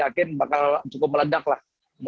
yakin bakal cukup meledak lah